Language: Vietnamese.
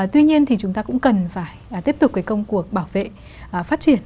tuy nhiên thì chúng ta cũng cần phải tiếp tục cái công cuộc bảo vệ phát triển